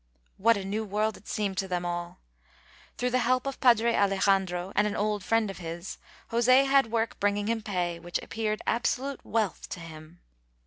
What a new world it seemed to them all! Through the help of Padre Alejandro and an old friend of his, José had work bringing him pay which appeared absolute wealth to him.